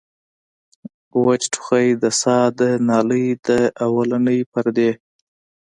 وچ ټوخی د ساه د نالۍ د اولنۍ پردې